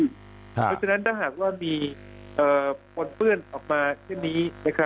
เพราะฉะนั้นถ้าหากว่ามีปนเปื้อนออกมาเช่นนี้